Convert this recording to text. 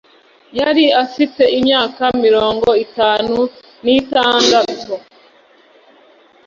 yari afite imyaka mirongo itanu n'itandatu